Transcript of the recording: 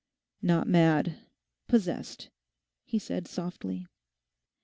'Not mad—possessed,' he said softly.